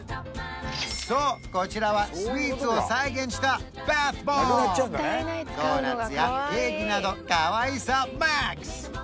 そうこちらはスイーツを再現したバスボールドーナツやケーキなどかわいさマックス！